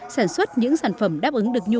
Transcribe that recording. sản xuất những sản phẩm đáp ứng được sản xuất